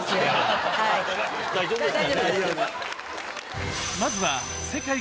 大丈夫ですね。